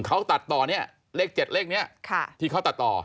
เขาตัดต่อเนี่ยเลข๗เลขนี้ที่เขาตัดต่อ